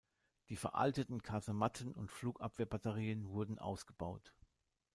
Die veralteten Kasematten und Flugabwehr-Batterien wurden ausgebaut.